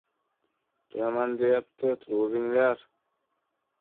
— Turaman deyapti, turg‘izinglar.